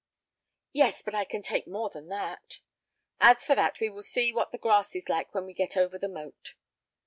"Yes, but I can take more than that." "As for that, we will see what the grass is like when we get over the moat."